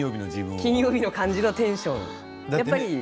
金曜日の感じのテンション